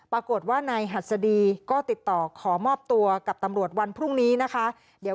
ปรากฏว่าในฮัศดีก็ติดต่อขอมอบตัวกับต่อต่ำรวจวันพรุ่งนี้